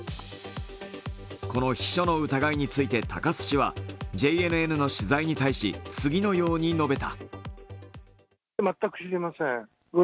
この秘書の疑いについて高須氏はＪＮＮの取材に対し次のように述べた。